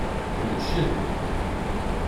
Une chienne.